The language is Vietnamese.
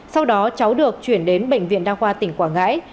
sau đó cháu được chuyển đến bệnh viện đa khoa tỉnh quảng ngãi